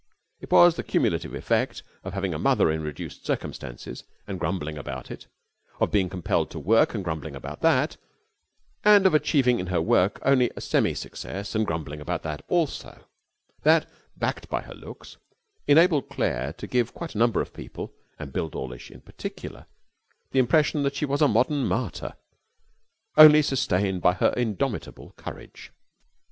It was the cumulative effect of having a mother in reduced circumstances and grumbling about it, of being compelled to work and grumbling about that, and of achieving in her work only a semi success and grumbling about that also, that backed by her looks enabled Claire to give quite a number of people, and Bill Dawlish in particular, the impression that she was a modern martyr, only sustained by her indomitable courage.